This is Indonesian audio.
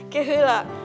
kayak gini lah